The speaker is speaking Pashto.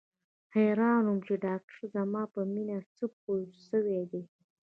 حيران وم چې ډاکتر زما په مينې څه پوه سوى دى.